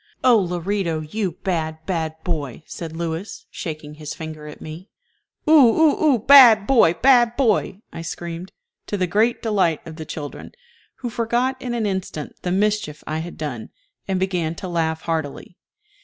"Oh, Lorito, you bad, bad boy!" said Louis, shaking his finger at me. "Oo oo oo, bad boy! bad boy!" I screamed, to the great delight of the children, who forgot in an instant the mischief I had done, and began to laugh heartily.